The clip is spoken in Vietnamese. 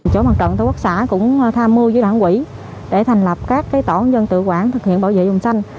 chỗ bằng trận của quốc xã cũng tham mưu với đoàn quỹ để thành lập các tổ dân tự quản thực hiện bảo vệ vùng xanh